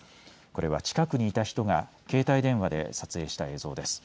これは近くにいた人が携帯電話で撮影した映像です。